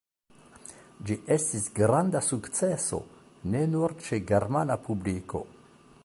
Ĝi estis granda sukceso, ne nur ĉe germana publiko.